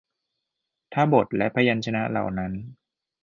ถ้าบทและพยัญชนะเหล่านั้น